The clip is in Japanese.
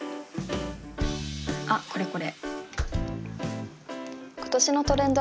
あっこれこれ。